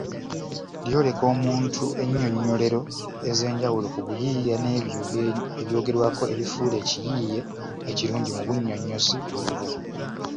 Lyoleka omuntu ennyinnyonnyolero ez’enjawulo ku buyiiya n’ebyo ebyogerwako ebifuula ekiyiiye ekirungi mu bunnyonnyozi obwo.